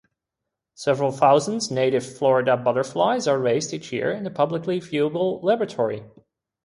Several thousand native Florida butterflies are raised each year in a publicly viewable laboratory.